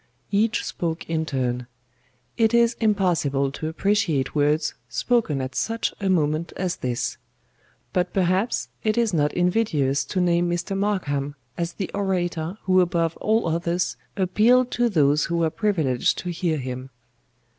Each spoke in turn. It is impossible to appreciate words spoken at such a moment as this; but perhaps it is not invidious to name Mr. MARKHAM as the orator who above all others appealed to those who were privileged to hear him.